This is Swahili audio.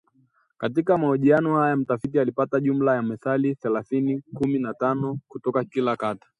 Katika mahojiano haya mtafiti alipata jumla ya methali thelathini, kumi na tano kutoka kila kata